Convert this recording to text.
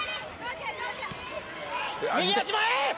右足、前。